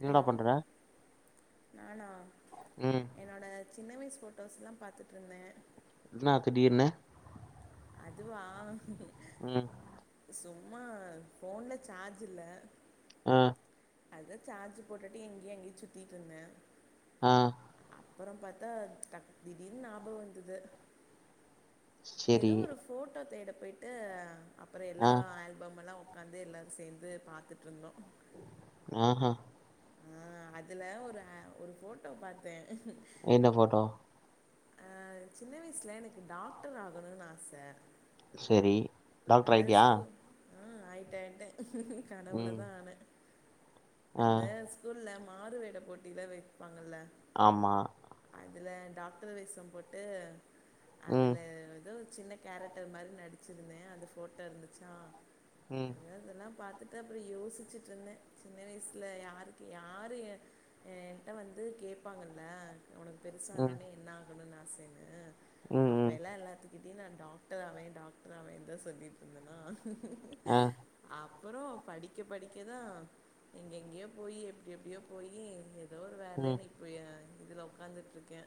என்னடா ஹலோ பண்ற நானா ம் என்னோட சின்ன வய்சு ஃபோட்டோஸ்லா பாத்துட்ருந்தே இன்னா திடீர்னு அதுவா ம் சும்மா ஃபோன்ல சார்ஜ் இல்ல ஆ அதுதா சார்ஜ் போட்டுட்டு இங்கியு அங்கியு சுத்திட்ருந்தே ஆ அப்பறோ பாத்தா டக் திடீர்னு ஞாபகோ வந்துது செரி எதோ ஒரு ஃபோட்டோ தேட போய்ட்டு அப்றோ எல்லா ஆ ஆல்பம் எல்லா ஓ ஒக்காந்து எல்லாரு சேந்து பாத்துட்ருந்தோ ஆ ஹா ஆ அதுல ஒரு அ ஒரு ஃபோட்டோ பாத்தே என்ன ஃபோட்டோ ஆ சின்ன வய்சுல எனக்கு டாக்டர் ஆகணுன் ஆச செரி டாக்டர் அந்த ஆயிட்டியா ஸ்கூல் ஆ ஆயிட்டே ஆயிட்டே கனவுல ம் தா ஆனே ஆ இந்த ஸ்கூல்ல மாறுவேட போட்டிலா வைப்பாங்களா ஆமா அதுல டாக்ரு வேஷோ போட்டு ம் அதுல எதோ சின்ன கேரக்டர் மாரி நடிச்சிருந்தே அந்த ஃபோட்டோ இருந்துச்சா ம் அதா இதெல்லா பாத்துட்டு அப்றோ யோசிச்சுட்ருந்தே சின்ன வய்சு இல்ல யாருக்கு யாரு எ என்ட்ட வந்து வந்து கேப்பாங்கல்ல ஒனக்கு ம் பெருசானோன்னே என்ன ஆகணுன்னு ஆசன்னு ம் அப்போ ம் எல்லா எல்லாத்துக்கிட்டயு நா டாக்ட ட்ராவே டாக்ட்ராவே டாக்டராவே தா சொல்லிட்ருந்தன்னா ஆ அப்பறோ படிக்க படிக்க தா எங் எங்கேயோ போய் எப்டி எப்டியோ போய் ஏதோ ஒரு ம் வேலைன்னு இதுல உக்காந்துட்ருக்கே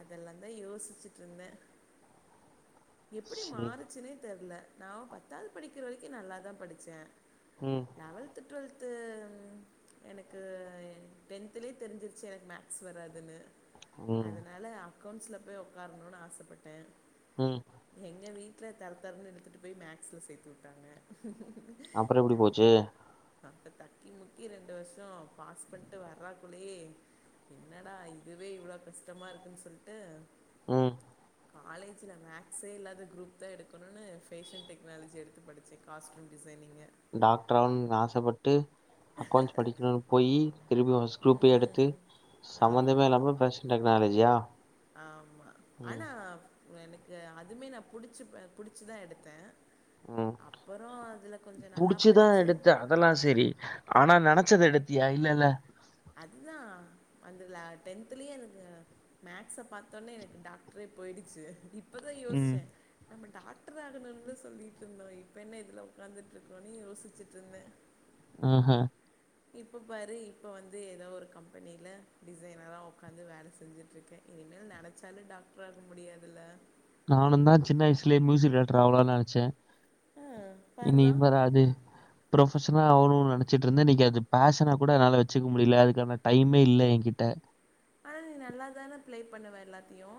அதெல்லா தான் யோசிச்சுட்டு இருந்தே எப்டி செரி மாறுச்சுன்னே தெர்ல நா பத்தாவது படிக்கிற வரைக்கு நல்லா தா படிச்ச உஹம் லெவென்த் ட்வெல்த்து எனக்கு டென்த்துலயே தெரிஞ்சிருச்சு எனக்கு மேக்ஸ் வராதுன்னு ம் அதனால அக்கௌன்ட்ஸ்ல போய் உக்காரணுனு ஆசப்பட்ட ஹம் எங்க வீட்ல தரத்தரனு இழுத்துட்டு போய் மேக்ஸ்ல சேத்துவுட்டாங்க அப்புரோ எப்டி போச்சு அப்ப தக்கி முக்கி ரெண்டு வருசோ பாஸ் பண்ணிட்டு வர்ற குள்ளயே என்னடா இதுவே இவ்ளோ கஷ்டமா இருக்குன்னு சொல்லிட்டு ம் காலேஜ்ல மேக்ஸே இல்லாத குரூப் தா எடுக்குணுனு ஃபேஷன் டெக்னாலஜி எடுத்து படிச்சே காஸ்ட்யூம் டிசைனிங்கு டாக்டர் ஆகணுனு ஆசபட்டு அக்கௌண்ட்ஸ் படிக்கணும்னு போயி திருப்பி பிரஸ்டு குரூபே எடுத்து ம் சம்பமந்தமே ஆமா இல்லாம ஃபேஷன் டெக்னாலஜியா ஆமா ம் ஆனா எனக்கு அதுமே நா புடிச்சு பிடிச்சுதா எடுத்தே ம் அப்புரோ அதுல கொஞ்சோ நல்லா படிச்சு அதெல்லா சரி ஆனா நினைச்சது எடுத்தியா இல்லல்ல அதுதா வந்துல டென்த்லயே எனக்கு மேக்ஸ பாத்தோடனே எனக்கு டாக்டரே போயிடுச்சு இப்பதா ம். யோசிச்ச நம்ம டாக்டர் ஆகணும்னுல சொல்லிட்டு இருந்தோ இப்போ என்ன இதுல உக்காந்துட்ருக்கோன்னு யோசிச்சிட்டு இருந்தே ம்ஹ்ம் இப்போ பாரு இப்போ வந்து ஏதோ ஒரு கம்பெனியில டிசைனரா உக்காந்து வேல செஞ்சுட்டுருக்கே இனிமேல் நினச்சாலு டாக்டர் ஆக முடியாதில்ல நானு தா சின்ன வயசலயே மியூசிக் டைரக்டர் ஆவளானு நினச்சே ஆ பார்றா இன்னைக்கு பார் அது ப்ரொஃபஷன்ஆகணும்னு நினச்சிட்டுருந்தே இன்னைக்கு அது ஃபேஷனா கூட என்னால வச்சுக்க முடியல அதுக்கான டைமே இல்ல எங்கிட்ட ஆனா நீ நல்லா தானே ப்ளே பண்ணுவே எல்லாத்தையு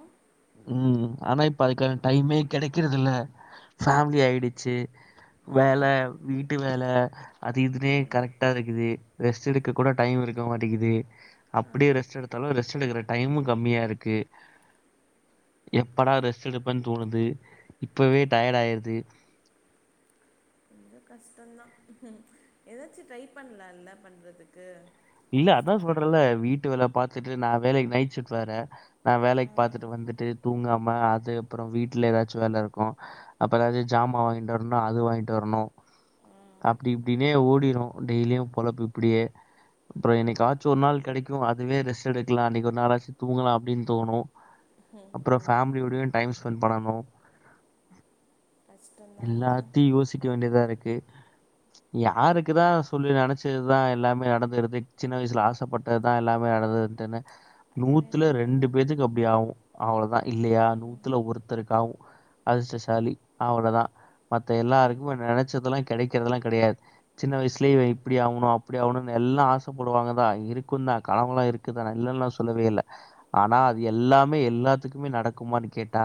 ம் ஆனா இப்ப அதுக்கான டைமே கெடைக்கறதில்ல ஃபேமிலி ஆயிடுச்சு வேல ம் வீட்டு வேல அது இதுனே ம் கரெக்டா இருக்குது ரெஸ்ட் எடுக்க கூட டைம் இருக்க மாட்டேங்குது ஆ அப்டியே ரெஸ்ட் எடுத்தாலு ரெஸ்ட் எடுக்கற டைமு கம்மியா இருக்கு எப்படா ரெஸ்ட் எடுப்பேன்னு தோணுது இப்பவே டயர்ட் ஆயிருது ரொம்ப கஷ்டோ தா ஏதாச்சு ட்ரை பண்ணலாம்ல பண்றதுக்கு இல்ல அதா சொல்றல்ல வீட்டு வேலை பாத்துட்டு நா வேலைக்கு நைட் ஷிஃப்ட் வேற நா வேலைக்கு ஆ பாத்துட்டு வந்துட்டு தூங்காம அது அப்றோ வீட்ல ஏதாச்சு வேல இருக்கூ அப்றோ ஏதும் ஜாமா வாங்கிட்டு வரணு அது வாங்கிட்டு வரணு அப்டி இப்டின்னே ஓடிடும் டெய்லியு பொழப்பு இப்டியே அப்றோ என்னைக்காச்சும் ஒரு நாள் கிடைக்கும் அதுவே ரெஸ்ட் எடுக்கலா அன்னைக்கு ஒரு நாளாச்சு தூங்கலா அப்டின்னு தோணு ம் அப்றோ ம் ஃபேமிலியோடயு டைம் ஸ்பெண்ட் பண்ணணு கஷ்டந்தான் இல்லை எல்லாத்தையு யோசிக் க வேண்டியதா இருக்கு யாருக்கு தா சொல்லி நெனைச்சதுதா எல்லாமே நடந்துது சின்ன வயசுல ஆசைப்பட்டதுதா எல்லாமே நடந்து துன அது வேணா நூத்துல உண்மை ரெண்டு தான் பேத்துக்கு அப்டி ஆகு அவ்வளதா இல்லையா ம் நூத்துல ஒருத்தருக்காகு அதிர்ஷ்டசாலி அவளதா மத்த எல்லாருக்குமே நெனச்சதெல்லா கெடைக்றதெல்லா கெடையாது சின்ன வயசுலே இவ இப்டி ஆகணு அப்டி ஆகணும்னு எல்ல போடுவாங்கதா இருக்குந்தா கணவெலா இருக்குதா ந இல்லன்னல்லா சொல்லவே இல்ல ஆனா அது ம் எல்லாமே எல்லாத்துக்குமே நடக்குமான்னு கேட்டா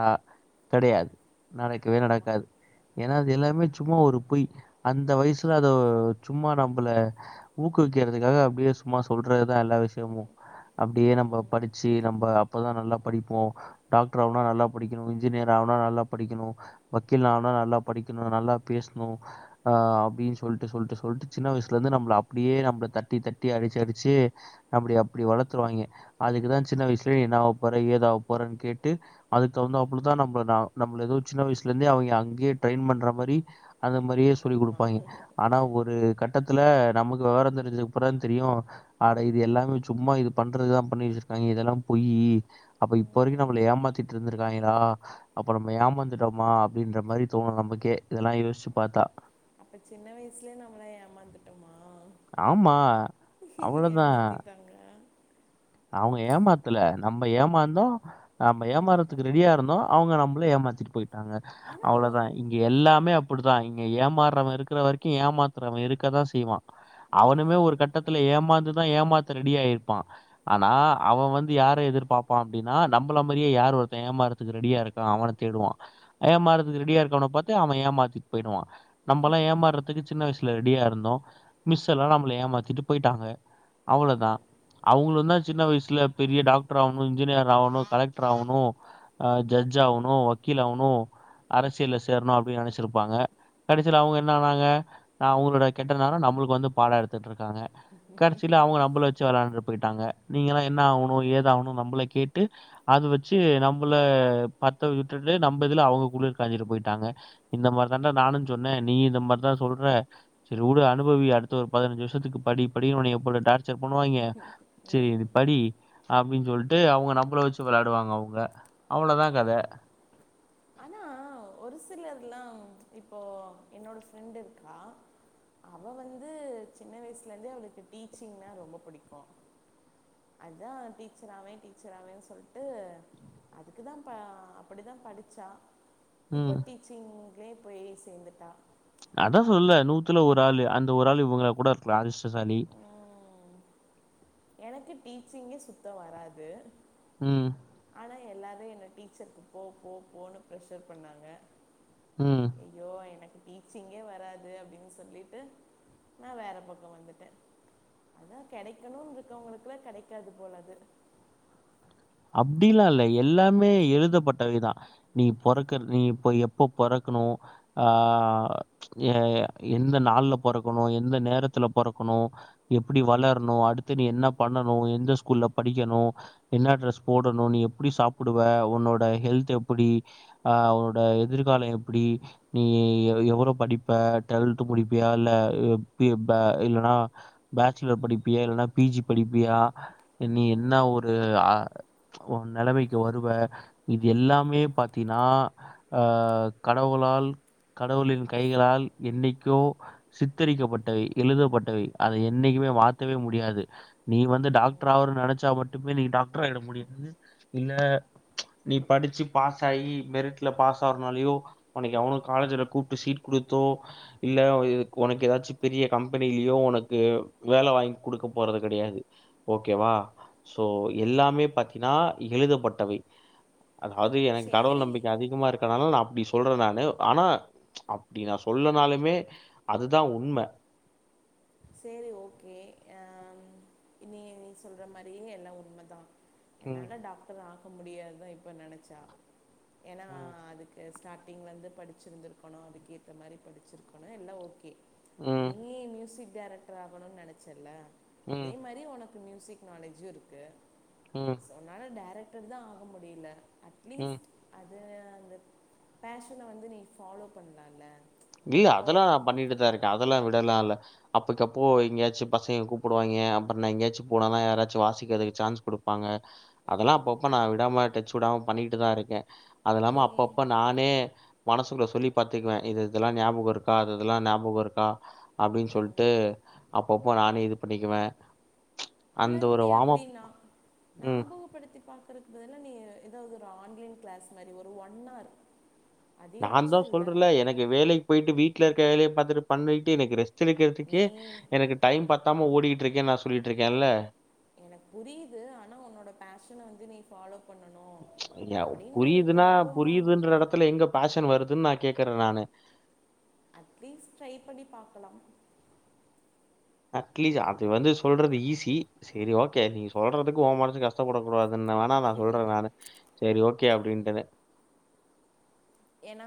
கெடையாது நடக்கவே ஆமாம் நடக்காது ஏன்னா அது எல்லாமே சும்மா ஒரு பொய் அந்த வயசுல அத சும்மா நம்பள ஊக்குவிக்கிறதுக்காக அப்டியே சும்மா சொல்றதுதா எல்லா விஷயமும் அப்டியே நம்ம ம் படிச்சு நம்ம அப்தா நல்லா படிப்போ டாக்டர் ஆகுனா நல்லா படிக்கணு இன்ஜினியர் ஆகுனா நல்லா படிக்கணு வக்கீல் நனா நல்லா படிக்கணு நல்லா பேஸ்ணு ஆ அப்பின்னு சொல்ட்டு சொல்ட்டு சொல்ட்டு சின்ன வயசுலருந்து நம்மள அப்டியே நம்மள தட்டி தட் டி அடிச்சு அடிச்சு அப்டி அப்டி வளர்த்துருவாங்க அதுக்குதா சின்ன வயசுலயே என்ன ஆக போற ஏதாவ போறேன்னு கேட்டு அதுக்கு தகுத்தாப்பலதா நம்ம நா நம்மள ஏதோ சின்னவயசுலருந்தே அவிங்க அங்கேயே ட்ரெயின் பண்ற மாரி அந்த மாரியே சொல்லி ஆமாம் குடுப்பாயிங்க ஆனா ஒரு கட்டத்துல நமக்கு விவரம் தெரிஞ்சதுக்கப்பறம் தெரியு அட இது எல்லாமே சும்மா இது பண்றதுதா பண்ணி வச்சிருக்காயிங்க இதெல்லா போய்யி அப்ப இப்ப வரைக்கு ம் நம்மள ஏமாத்திட்டு இருந்திருக்காய்ங்களா அப்ப நம்ம ஏமாந்துட்டோமா அப்டின்ற மாரி தோணு நமக்கே இதெல்லா யோசிச்சு பாத்தா அப்ப சின்ன வயசுலயே நம்மளா ஏமாத்துட்டோமா ஆமா. அவ்வளதான். ஏமாத்திட்டாங்க அவங்க ஏமாத்தல நம்ம ஏமாந்தோ நம்ம ம் ஏமாறதுக்கு ரெடியா இருந்தோ அவங்க நம்மள ஏமாத்திட்டு போயிட்டாங்க ஆனால் ஓ அவ்வளதா இங்க எல்லாமே அப்படித்தா இங்க ஏமாறவ இருக்கிற வரைக்கு ஏமாத்துறவங்க இருக்கதா செய்வா அவனுமே ஒரு ம் கட்டத்துல ஏமாந்துதா ஏமாத்த ரெடிய ஆயிருப்பா ஆனா அவன் வந்து யார எதிர்பாப்பா அப்டின்னா நம்மள மாரியே யார் ஒருத்த ஏமாறத்துக்கு ரெடியா இருக் கற அவன தேடுவான் ஏமாறதுக்கு ரெடியா இருக்கவன பாத்து அவன் ஏமாத்திட்டு போயிடுவான் நம்மல்லா ஏமாற க்கு சின்ன வயசுல ரெடியா இருந்தோ மிஸ் எல்லா நம்மள ஏமாத்திட்டு போயிட்டாங்க அவ்ளோதா அவங்களு தா சின்ன வயசுல பெரிய டாக்டர் ஆகணு இன்ஜினியர் ஆகணு கலெக்டர் ஆகணு அ ஜட்ஜ் ஆகணு வக்கீல் ஆகணு அரசியல்ல சேரணு அப்டின்னு நெனைச்சிருப்பாங்க கடைசில அவங்க என்னனாங்க நா அவங்களோட கெட்ட நேரோ நம்மளுக்கு வந்து பாடம் எடுத்துட்ருக்காங்க கடைசியில அவங்க நம்மள வச்சு விளாண்டுட்டு போயிட்டாங்க நீங்க எல்லா என்ன ஆகணு ஏதாகணு நம்மள கேட்டு அது வச்சு நம்மள பத்த விட்டுட்டு நம்ம இதுல அவங்க குளிர் காஞ்சிட்டு போயிட்டாங்க இந்த மார்தடா நானு சொன்ன நீ இந்த மார்தா சொல்ற சரி உடு அனுபவி அடுத்த ஒரு பதினஞ்சு வருஷத்துக்கு படி படினு உணைய போட்டு டார்ச்சர் பண்ணுவாயிங்க சரி ம் படி அப்டின் சொல்லிட்டு அவங்க நம்பள வச்சு விளையாடுவாங்க அவங்க அவளதா கத ஆனா ஒரு சிலர்ல்லா இப்போ என்னோட ஃப்ரெண்ட் இருக்கா அவ வந்து சின்ன வயசுலருந்தே அவளுக்கு டீச்சிங்னா ரொம்ப பிடிக்கு அதுதா டீச்சராாவே டீச்சராாவேன்னு சொல்ட்டு அதுக்குதா ப அப்டிதா படி சா இப்ப ம் டீச்சிங்லயே போய் சேந்துட்டா அதான் சொல்ல நூத்துல ஒரு ஆள் அந்த ஒரு ஆள் இவங்கள கூட இருக்கலா அதிர்ஷ்டசாலி உம், எனக்கு டீச்சிங்கு சுத்த வராது ம் ஆனா எல்லாரு என்ன டீச்சருக்கு போ போ போன்னு ப்ரஷர் பண்ணாங்க ம் ஐயோ எனக் டீச்சிங்கே வராது அப்டின்னு சொல்லிட்டு நா வேற பக்கோ வந்துட்ட அதா கெடைக்கிணு இருக்கவங்களுக்கு தா கெடைக்காது போல அது அப்டிலா இல்ல எல்லாமே எழுதப்பட்டவைதா நீ பொறகுறது நீ இப்ப எப்ப பொறக்கணு ஆ எ எந்த நாள்ல பொறக்கணு எந்த நேரத்துல பொறக்கணு நீ எப்டி வளர்ணு அடுத்து நீ என்ன பண்ணணு எந்த ஸ்கூல்ல படிக்கணு என்ன ட்ரஸ் போடணு நீ எப்டி சாப்புடுவே உன்னோட ஹெல்த் எப்டி ஆ உன்னோட எதிர்கால எப்டி நீ எ எவல படிப்ப டெல்த் முடிப்பியா இல்ல இப் [unintelligible] இல்லன்னா பேச்சுலர் படிப்பியா இல்லனா பி ஜி படிப்பியா இனி என்ன உம், ஒரு அ உ நெலைமைக்கு வருவ இது எல்லாமே பாத்தீன்னா அ கடவுளால் கடவுளின் கைகளால் என்னைக்கோ சித்தரிக்கப்பட்டவை எழுதப்பட்டவை அத என்னைக்குமே மாத்தவே முடியாது நீ வந்து டாக்டர் உம். ஆவானு நெனைச்சா மட்டுமே நீ டாக்டராகிட முடியுமா இல்ல நீ படிச்சு பாஸ் ஆயி மெரிட்ல பாஸ் ஆறனாலயோ உனக்கு எவனோ காலேஜ்ல கூப்ட்டு சீட் குடுத்தோ இல்ல ஒ இது உனக்கு ஏதாச்சு பெரிய கம்பெனிலியோ உனக்கு வேல வாங்கி குடுக்க போறது கெடையாது ஓகேவா சோ எல்லாமே பாத்தீ இதா எழுதப்பட்டவை அதாவ்து எனக் கடவுள் சரி நம்பிக்க அதிகமா இருக் அதனால நா அப்டி சொல்றே நானு ஆனா அப்டி நா சொல்லனாலுமே அதுதா உண்ம செரி ஓகே அ நீ நீ சொல்ற மாறியே எல்லா உண்மதா ம் என்னால டாக்டர் ஆக முடியாதுதா இப்ப நெனைச்சா ஏன்னா ம் அதுக் கு ஸ்டார்ட்டிங்லேந்து படிச்சிருந்திருக்கணு அதுக்கு ஏத்த மாறி படிச்சிருக்கணு எல்லா ஓகே ம் நீ மியூசிக் டைரக்டர் ஆகணுனு நெனைச்சல்ல அதே ம் மாறி ஒனக் கு மியூசிக் நாலேஜி இருக்கு ம் உன்னால டைரக்டர் தா ஆக முடியில ம் அட்லீஸ்ட் அது அந்த பேஷன வந்து நீ பாலோ பண்ணலாம்ல இல்ல அதலா நா இப்போது பண்ணிட்டுதா இருக்கே அதலா விடலா இல்ல அப்பக்கப்போ எங்கயாச்சு பசங்க கூப்புடுவாங்க அப்பறோ நா எங்கயாச்சு போனல்லா யாராச்சு வாசிக்கிறதுக்கு சான்ஸ் குடுப்பாங்க அதெல்லா அப்பப்ப நா விடாம டச்சு விடாம பண்ணிட்டுதா இருக்கே அதல்லாம நீ அப்பப்போ நானே மனசுக்குள்ள சொல்லி பாத்துக்குவே இது இதெல்லா ஞாபக இருக்கா அதெதுல்லா ஞாபக இருக்கா அப்டின்னு ம், சொல்ட்டு அப்பப்போ நானே இது பண்ணிக்குவே லெட் மீ அப்டின்னா ம். ஞாபக படுத்தி பாக் குறத்து பதிலா நீ ஏதாவ்து ஒரு ஆன்லைன் க்ளாஸ் மாறி ஒரு ஒன் ஆர் நா தா சொல்றல எனக்கு வேலக் போய்ட்டு வீட்டுல இருக்க வேலைய பாத்துட்டு பண்ணிட்டு எனக்கு ரெஸ்டு எடுக்கிறதுக்கே நீ எனக்கு டைம் பத்தாம ஓடிகிட்டுருக்கே நா சொல்லிட்ருக்கேன்ல எனக்கு புரியுது ஆனா உன்னோட பேஷன வந்து நீ ஃபாலோப் ய புரியுதுனா புரியுதுன்ற எடத்துல எங்க ஃபேஷன் வருதுன்னு நா கேக்குறே நானு அட்லீஸ்ட் ட்ரை பண்ணி பாக்கலாம் அட்லீஸ்ட் அது வந்து சொல்றது ஈஸி சரி ஓகே நீங்க சொல்றதுக்கு ஓ மனசு கஷ் கஷ்டபடக்கூடாதுன்னு நா வேணா நா சொல்றே நானு சரி ஓகே அப்டின்டுது ஏனா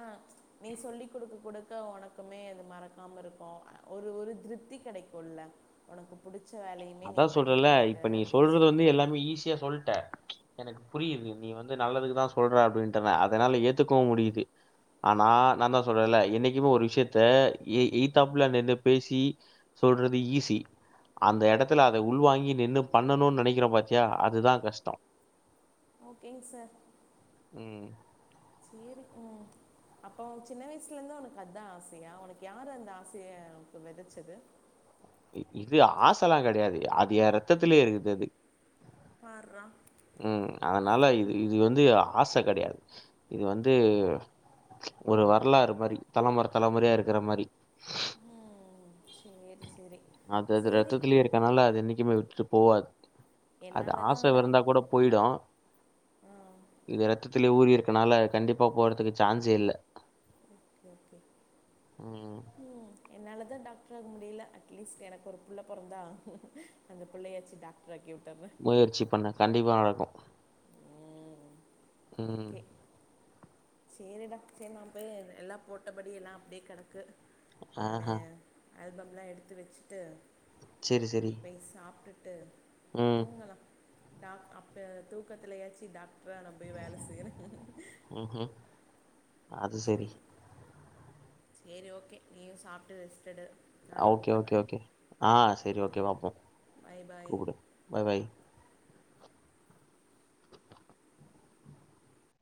நீ சொல்லி குடுக்க குடுக்க உனக்குமே அது மறக்காம இருக்கு ஒரு ஒரு திருப்தி கெடைக்குல ஒனக்கு புடிச்ச வேலையுமே நீ அதான் சொல்றேன்ல, பண்ணிகிட்டுருக்க இப்ப அப்டினு சொல்றது வந்து சொல்ட்டு நீ ஈஸியா சொல்ட்ட எனக்கு புரியுது நீ வந்து நல்லதுக்கு தா சொல்ற அப்டின்ட்டுன அதனால ஏத்துக்கவு முடியுது ஆனா நா தா சொல்றன்ல என்னைக்குமே ஒரு விஷயத்த எய் எய்த்தாப்ல நின்னு பேசி சொல்றது ஈஸி அந்த எடத் த்துல அத உள்வாங்கி நின்னு பண்ணணுனு நெனைக்கிறோ பாத்தியா அதுதா கஷ்டோ ஓகேங் சார் ம் சேரி போ அப்போ உ சின்ன வயசுலேருந்து உனக்கு அதா ஆசையா உனக்கு யாரு அந்த ஆசைய உனக்கு வெதச்சது இது ஆசல்லா கெடையாது அது எ ரத்தத்திலயே இருக்குது அது பார்ரா ம் அதனால இது இது வந்து ஆச கெடையாது இது வந்து ஒரு வரலாறு மாரி தலமுற தலமுறையா இருக்கிற மாரி ம் சேரி சேரி அது அது ரத்தத்திலேயே இருக் அதுனால அது என்னைக்குமே விட்டுட்டு போவாது அது என்னால் ஆச தான் விருந்தா டாக் கூட போயிடு ஆ இது ரத்தலேயே ஊறி இருக்கனால கண்டிப்பா போறதுக்கு சான்ஸ் இல்ல ஓகே ம் ம் என்னால தா டாக்டர் ஆக முடியல அட்லீஸ்ட் எனக்கு ஒரு புள்ள பொறந்தா அந்த பிள்ளையாச்சு டாக்டராக்கி வுட்டாங்க முயற்சி பண்ணு கண்டிப்பா நடக்கு ம் ம். ஓகே சேரி டா சேரி நா போய் எல்லா போட்டபடி எல்லா அப்டியே கெடக்கு நானு ஆஹா. ஆல்பம்லா எடுத்து வச்சுட்டு சேரி செரி சாப்ட்டுட்டு தூங்கலா டாக் அப்ப தூக்கத்துலயாச்சி டாக்டரா நா போய் வேல செய்ற ம் அது சரி சரி ஓகே நீயு சாப்ட்டு ரெஸ்ட் எடு நாளைக்கு ஓகே ஓகே கூப்பிட்றேன் ஓகே ஆ சரி ஓகே பாப்போ பை பாய் கூப்புடு பை பாய்